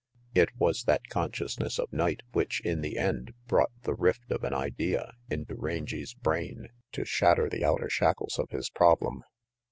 It was that consciousness of night which in the end brought the rift of an idea into Rangy's brain to shatter the outer shackles of his problem.